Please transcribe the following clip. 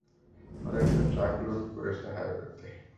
ওরা একটা ট্রাক লুট করেছে হাইওয়েতে।